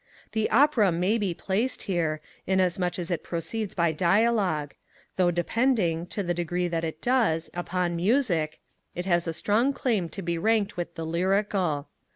The Opera may be placed here, inasmuch as it proceeds by dialogue; though depending, to the degree that it does, upon music, it has a strong claim to be ranked with the lyrical.